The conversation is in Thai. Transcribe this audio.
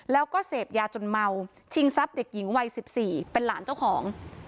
แล้วก็เสพยาจนเมาชิงทรัพย์เด็กหญิงวัย๑๔เป็นหลานเจ้าของ